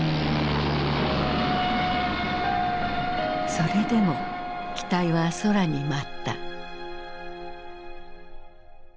それでも機体は空に舞った。